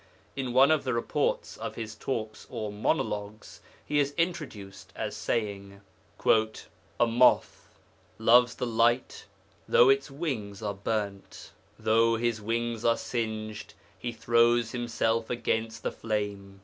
In one of the reports of his talks or monologues he is introduced as saying: 'A moth loves the light though his wings are burnt. Though his wings are singed, he throws himself against the flame.